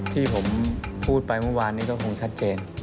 ที่ผมพูดไปเมื่อวานนี้ก็คงชัดเจน